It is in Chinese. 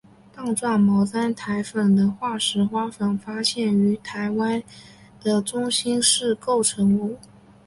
棒状毛毡苔粉的化石花粉发现于台湾的中新世构成物。